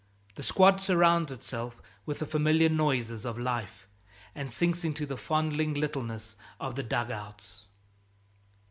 The squad surrounds itself with the familiar noises of life, and sinks into the fondling littleness of the dug outs.